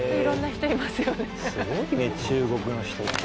すごいね中国の人って。